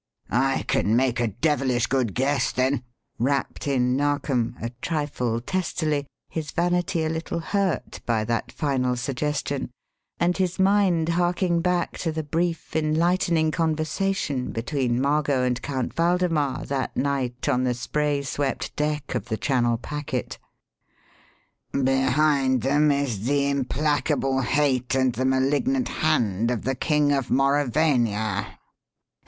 "I can make a devilish good guess, then," rapped in Narkom, a trifle testily, his vanity a little hurt by that final suggestion, and his mind harking back to the brief enlightening conversation between Margot and Count Waldemar that night on the spray swept deck of the Channel packet. "Behind them is 'the implacable hate and the malignant hand' of the King of Mauravania!"